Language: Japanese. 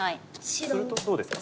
するとどうですか？